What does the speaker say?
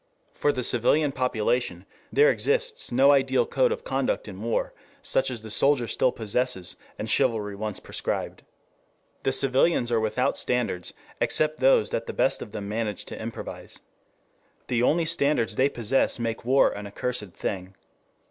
For the civilian population there exists no ideal code of conduct in war, such as the soldier still possesses and chivalry once prescribed. The civilians are without standards, except those that the best of them manage to improvise. The only standards they possess make war an accursed thing.